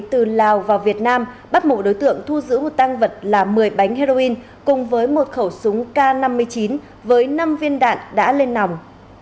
từ lào vào việt nam bắt mộ đối tượng thu giữ một tăng vật là một mươi bánh heroin cùng với một khẩu súng k năm mươi chín với năm viên đạn đã lên nòng